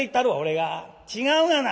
違うがな。